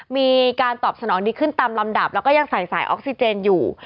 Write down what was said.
มีการตอบสนองดีขึ้นตามลำดับแล้วก็ยังใส่สายออกซิเจนอยู่